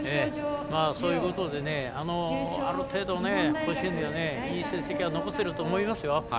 そういうことで、ある程度甲子園ではいい成績を残せると思いますよ。